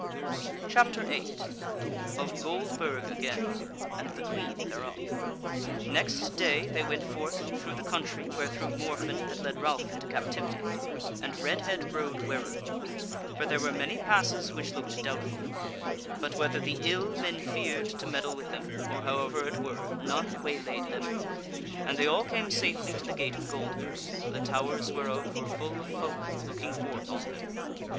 CHAPTER 8 Of Goldburg Again, and the Queen Thereof Next day they went forth through the country wherethrough Morfinn had led Ralph into captivity; and Redhead rode warily; for there were many passes which looked doubtful: but whether the ill men feared to meddle with them, or however it were, none waylaid them, and they all came safely to the gate of Goldburg, the towers whereof were full of folk looking forth on them.